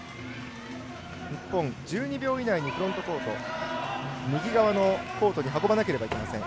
日本、１２秒以内にフロントコート右側のコートに運ばなければいけません。